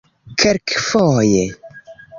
kelkfoje